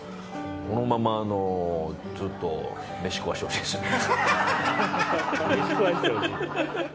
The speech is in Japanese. このままずっと飯食わしてほしいですね。